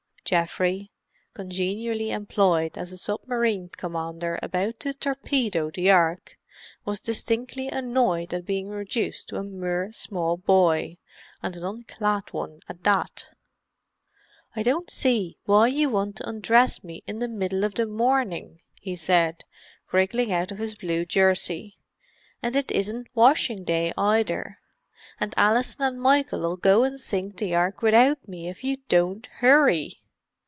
Geoffrey, congenially employed as a submarine commander about to torpedo the Ark, was distinctly annoyed at being reduced to a mere small boy, and an unclad one at that. "I don't see why you want to undress me in the middle of the morning," he said, wriggling out of his blue jersey. "And it isn't washing day, either, and Alison and Michael'll go and sink the Ark without me if you don't hurry."